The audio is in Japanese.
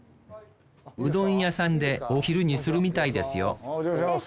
うどん屋さんでお昼にするみたいですよおじゃまします。